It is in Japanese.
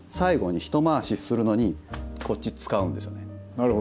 なるほど。